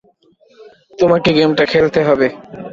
তোমাকে গেমটা খেলতে হবে।